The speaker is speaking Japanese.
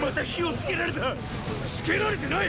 つけられてない！